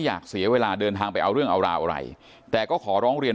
อยากเสียเวลาเดินทางไปเอาเรื่องเอาราวอะไรแต่ก็ขอร้องเรียน